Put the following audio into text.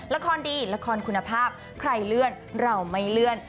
ละครดีละครคุณภาพใครเลื่อนเราไม่เลื่อน